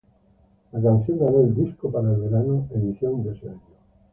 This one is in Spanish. La canción ganó el "Disco para el verano" edición de ese año.